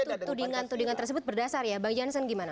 berarti tudingan tudingan tersebut berdasar ya bang jansan gimana